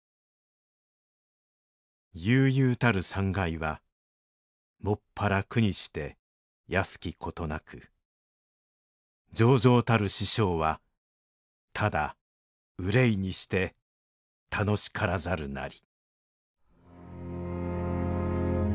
「悠々たる三界は純ら苦にして安きことなく擾々たる四生は唯患にして楽しからざるなり」